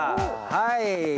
はい。